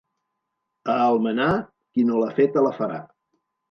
A Almenar, qui no l'ha feta la farà.